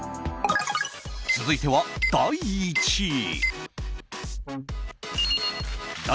続いては、第１位。